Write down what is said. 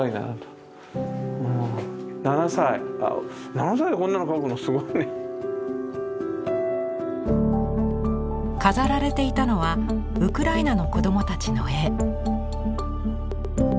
７歳でこんなの描くのすごいね。飾られていたのはウクライナの子どもたちの絵。